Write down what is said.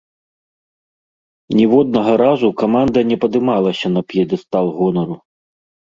Ніводнага разу каманда не падымалася на п'едэстал гонару.